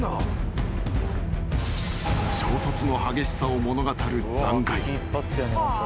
［衝突の激しさを物語る残骸］